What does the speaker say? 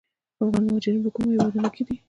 افغان مهاجرین په کومو هیوادونو کې دي؟